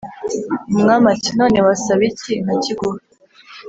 umwami ati"none wasaba iki nkakiguha? "